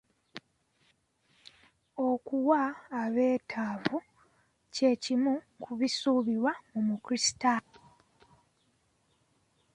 Okuwa abeetavu kye kimu ku bisuubirwa mu mukulisitayo.